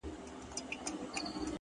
هره هڅه د شخصیت جوړونې برخه ده